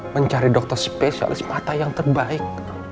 mencari dokter spesialis mata yang terbaik